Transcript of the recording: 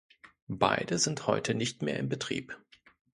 Beide sind heute nicht mehr im Betrieb.